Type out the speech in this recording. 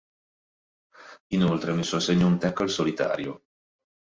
Inoltre ha messo a segno un tackle solitario.